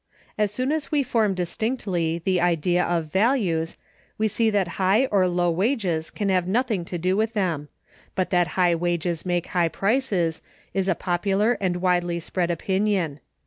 As soon as we form distinctly the idea of values, we see that high or low wages can have nothing to do with them; but that high wages make high prices, is a popular and widely spread opinion.